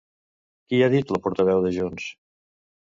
Qui ha dit la portaveu de Junts?